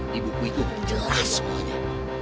di buku itu jelas semuanya